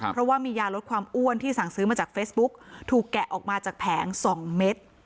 เพราะว่ามียาลดความอ้วนที่สั่งซื้อมาจากเฟซบุ๊กถูกแกะออกมาจากแผง๒เม็ด